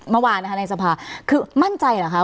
เมื่อวานนะคะในสภาคือมั่นใจเหรอคะ